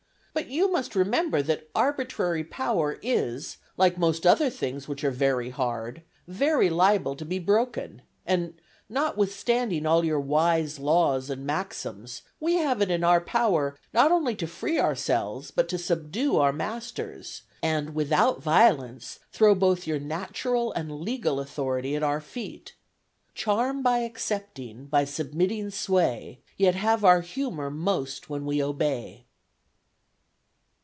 But you must remember that arbitrary power is, like most other things which are very hard, very liable to be broken; and, notwithstanding all your wise laws and maxims, we have it in our power, not only to free ourselves, but to subdue our masters, and, without violence, throw both your natural and legal authority at our feet: Charm by accepting, by submitting sway, Yet have our humor most when we obey."